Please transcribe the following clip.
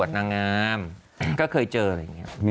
นางงามก็เคยเจออะไรอย่างนี้